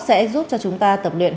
sẽ giúp cho chúng ta tập luyện